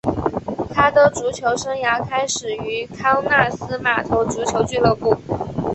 他的足球生涯开始于康纳斯码头足球俱乐部。